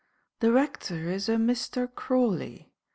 The rector is a Mr. Crawley.